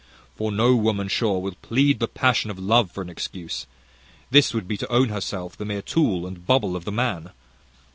For no woman, sure, will plead the passion of love for an excuse. This would be to own herself the mere tool and bubble of the man.